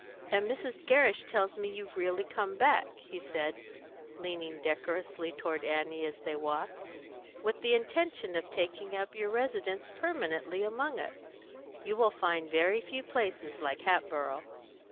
"And Mrs. Gerrish tells me that you've really come back," he said, leaning decorously toward Annie as they walked, "with the intention of taking up your residence permanently among us. You will find very few places like Hatboro'."